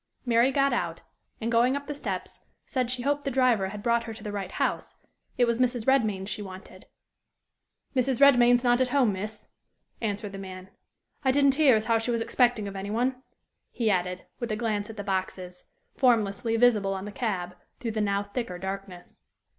Mary got out, and, going up the steps, said she hoped the driver had brought her to the right house: it was Mrs. Redmain's she wanted. "Mrs. Redmain is not at home, miss," answered the man. "I didn't hear as how she was expecting of any one," he added, with a glance at the boxes, formlessly visible on the cab, through the now thicker darkness.